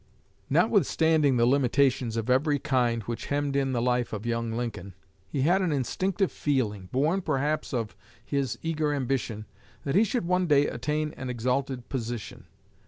Notwithstanding the limitations of every kind which hemmed in the life of young Lincoln, he had an instinctive feeling, born perhaps of his eager ambition, that he should one day attain an exalted position.